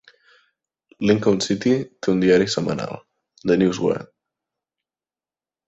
Lincoln City té un diari semanal, "The News Guard".